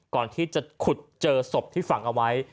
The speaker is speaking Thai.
ก่อนที่จะขุดเจอศพที่ฝังเอาไว้